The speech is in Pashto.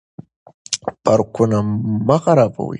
پارکونه مه خرابوئ.